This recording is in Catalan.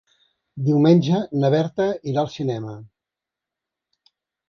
Diumenge na Berta irà al cinema.